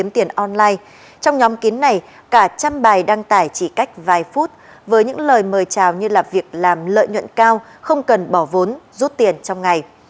trong nhóm kín này cả trăm bài đăng tải chỉ cách vài phút với những lời mời trào như là việc làm lợi nhuận cao không cần bỏ vốn rút tiền trong ngày